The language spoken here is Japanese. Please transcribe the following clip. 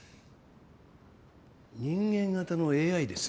人間型のＡＩです。